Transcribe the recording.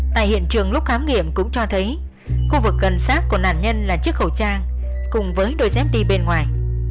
tại hiện trường lúc khám nghiệm cũng cho thấy khu vực gần sát của nạn nhân là chiếc khẩu trang cùng với đôi dép đi bên ngoài